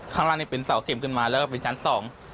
ข้างล่างนี่เป็นเสาเข็มขึ้นมาแล้วก็เป็นชั้นสอง